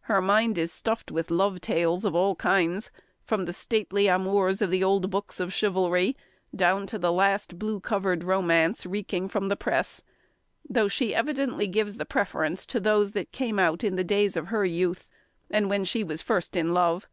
Her mind is stuffed with love tales of all kinds, from the stately amours of the old books of Chivalry, down to the last blue covered romance, reeking from the press: though she evidently gives the preference to those that came out in the days of her youth, and when she was first in love.